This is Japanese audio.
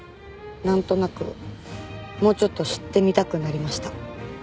なんとなくもうちょっと知ってみたくなりました。